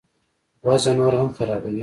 وضع نوره هم خرابوي.